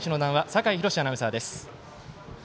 酒井博司アナウンサーです。